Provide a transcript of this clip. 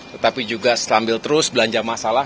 tetapi juga sambil terus belanja masalah